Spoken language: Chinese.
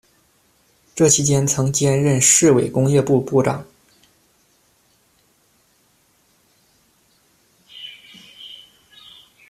这期间曾兼任市委工业部部长。